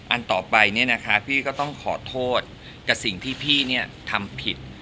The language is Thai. อันต่อไปเนี่ยนะคะพี่ก็ต้องขอโทษกับสิ่งที่พี่ทำผิด